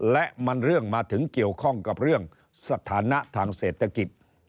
และมันเรื่องมาถึงเกี่ยวข้องกับเรื่องสถานะทางเศรษฐกิจ